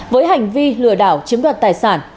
với hành vi lừa đảo chiếm đoạt tài sản